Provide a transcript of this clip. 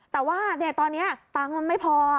แต่ว่าตอนนี้ตังค์มันไม่พอ